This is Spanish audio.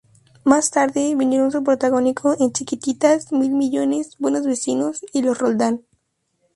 Más tarde, vinieron su protagónico en "Chiquititas", "Mil millones", "Buenos vecinos" y "Los Roldán".